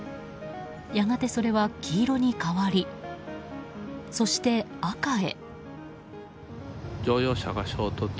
やがて、それは黄色に変わりそして赤へ。